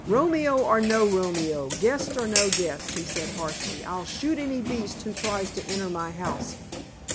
"Romeo or no Romeo, guest or no guest," he said harshly, "I'll shoot any beast who tries to enter my house.